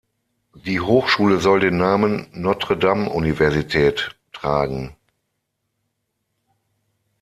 Die Hochschule soll den Namen "Notre-Dame-Universität" tragen.